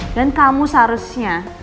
dan kamu seharusnya